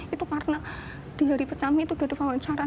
itu karena di hari pertama itu udah ada wawancara